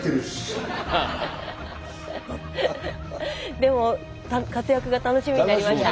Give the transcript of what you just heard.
でも活躍が楽しみになりました。